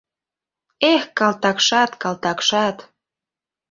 Эх, калтакшат, калтакшат!